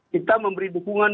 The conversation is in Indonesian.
kita memberi dukungan